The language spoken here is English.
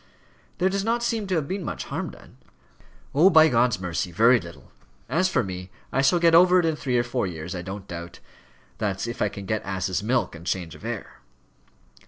"There does not seem to have been much harm done?" "Oh! by God's mercy, very little. As for me, I shall get over it in three or four years I don't doubt that's if I can get ass's milk and change of air."